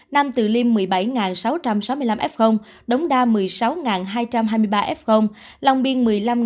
nam từ liêm một mươi bảy sáu trăm sáu mươi năm f đống đa một mươi sáu hai trăm hai mươi ba f lòng biên một mươi năm một mươi